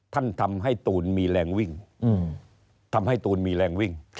ทำให้ตูนมีแรงวิ่งทำให้ตูนมีแรงวิ่ง